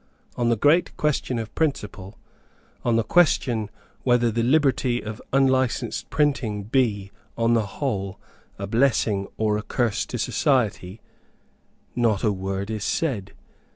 On the great question of principle, on the question whether the liberty of unlicensed printing be, on the whole, a blessing or a curse to society, not a word is said.